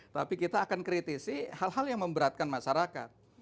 tapi kita akan kritisi hal hal yang memberatkan masyarakat